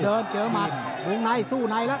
เดินเจอหมัดหลงไหนสู้ไหนละ